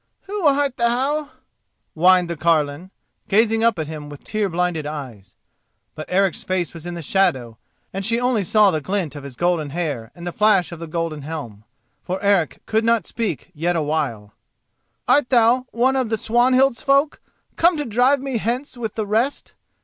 "Who art thou?" whined the carline, gazing up at him with tear blinded eyes. But Eric's face was in the shadow, and she only saw the glint of his golden hair and the flash of the golden helm. For Eric could not speak yet a while. "Art thou one of the Swanhild's folk, come to drive me hence with the rest?